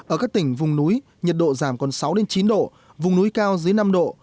ở các tỉnh vùng núi nhiệt độ giảm còn sáu chín độ vùng núi cao dưới năm độ